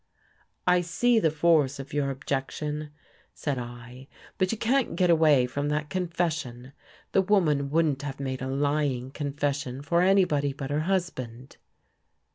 " I see the force of your objection," said I, " but you can't get away from that confession. The woman wouldn't have made a lying confession for anybody but her husband."